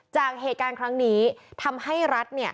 จากเหตุการณ์ครั้งนี้ทำให้รัฐ